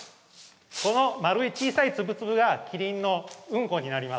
この丸い小さい粒々がキリンのうんこになります。